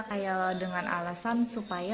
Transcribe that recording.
kayak dengan alasan supaya